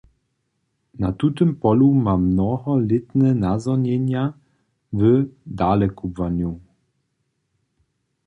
Na tutym polu ma mnoholětne nazhonjenja w dalekubłanju.